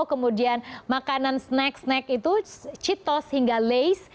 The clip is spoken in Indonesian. kemudian makanan snack snack itu cheetos hingga lay's